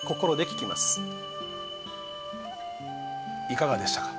いかがでしたか？